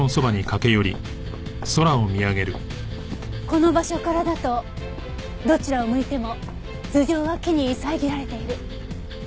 この場所からだとどちらを向いても頭上は木に遮られている。